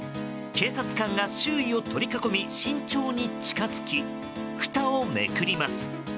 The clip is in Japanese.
警察官が周囲を取り囲み慎重に近づきふたをめくります。